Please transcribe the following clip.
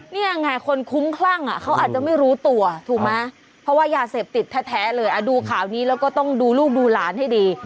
นี่ไงคนคุ้มคลั่งเขาอาจจะไม่รู้ตัวถูกไหมเพราะว่ายาเสพติดแท้เลยดูข่าวนี้แล้วก็ต้องดูลูกดูหลานให้ดี